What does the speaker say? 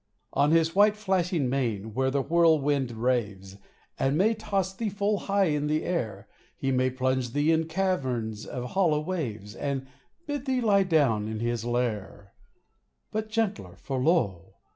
On his white flashing mane, where the whirl wind raves, He may toss thee full high in the air ; He may plunge thee in caverns of hollow waves, And bid thee lie down in his lair. But gentler, for lo